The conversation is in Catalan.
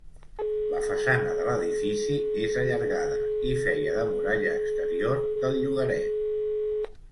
La façana de l'edifici és allargada i feia de muralla exterior del llogaret.